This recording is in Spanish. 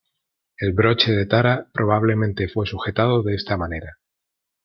El Broche de Tara probablemente fue sujetado de esta manera.